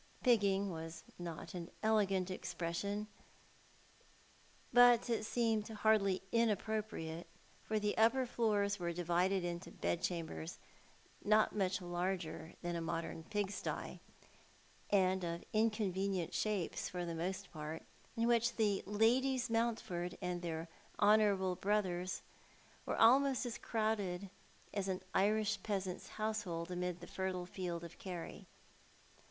Pigging was not an elegant expression, but it seemed hardly inappropriate, for the upper floors were divided into bed chambers not much larger than a modern pigsty, and of inconvenient shapes for the most part, in which the Ladies Mountford and their honourable brotliers were almost as crowded as an Irish peasant's household amid the fertile fields of Kerry.